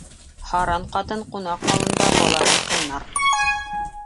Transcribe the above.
Һаран ҡатын ҡунаҡ алында балаһын ҡыйнар.